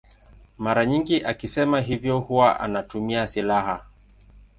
Mara nyingi akisema hivyo huwa anatumia silaha.